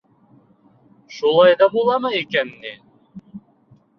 Шулай ҙа буламы икән ни?